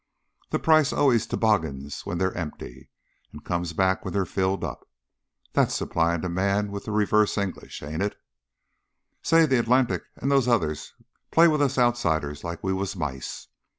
The price always toboggans when they're empty, and comes back when they're filled up. That's supply and demand with the reverse English, ain't it? Say, the Atlantic and those others play with us outsiders like we was mice.